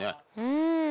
うん。